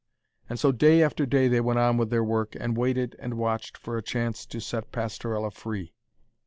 And so, day after day, they went on with their work, and waited and watched for a chance to set Pastorella free.